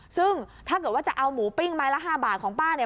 ซึ่งถ้าเกิดว่าจะเอาหมูปิ้งไม้ละ๕บาทของป้าเนี่ย